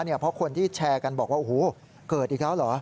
เพราะคนที่แชร์กันบอกว่าโอ้โหเกิดอีกแล้วเหรอ